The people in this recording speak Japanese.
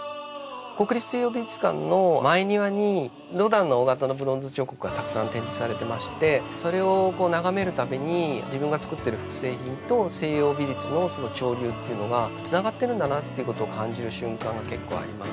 国立西洋美術館の前庭にロダンの大型のブロンズ彫刻がたくさん展示されてましてそれを眺めるたびに自分が作ってる複製品と西洋美術の潮流というのが繋がってるんだなってことを感じる瞬間が結構あります。